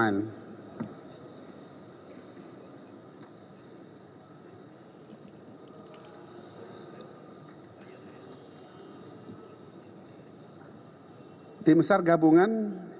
untuk pencarian di bawah air